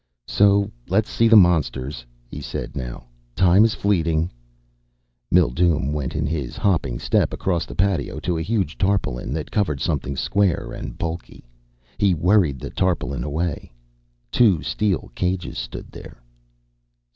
"So let's see the monsters," he said now. "Time is fleeing." Mildume went in his hopping step across the patio to a huge tarpaulin that covered something square and bulky. He worried the tarpaulin away. Two steel cages stood there.